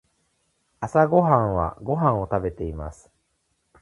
朝ごはんはご飯を食べています。